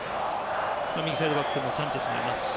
右サイドバックのサンチェスもいますし。